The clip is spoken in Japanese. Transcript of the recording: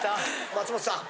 松本さん！